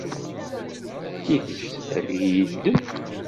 D tidet, ad iyi-iddem.